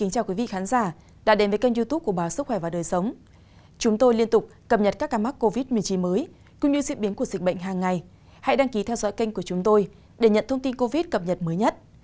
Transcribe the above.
các bạn hãy đăng ký kênh của chúng tôi để nhận thông tin cập nhật mới nhất